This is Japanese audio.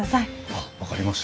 あっ分かりました。